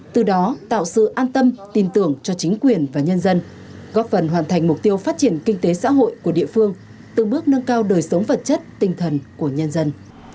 từ đó tạo sự an tâm tin tưởng cho chính quyền và nhân dân góp phần hoàn thành mục tiêu phát triển kinh tế xã hội của địa phương từng bước nâng cao đời sống vật chất tinh thần của nhân dân